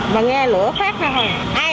mà nghe lửa khát thôi